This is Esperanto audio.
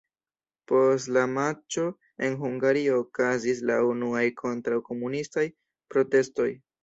Post la matĉo en Hungario okazis la unuaj kontraŭ-komunistaj protestoj.